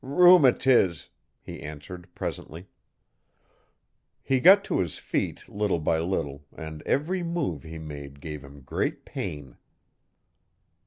'Rheumatiz,' he answered presently. He got to his feet, little by little, and every move he made gave him great pain.